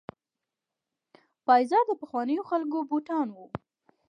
پایزار د پخوانیو خلکو بوټان وو.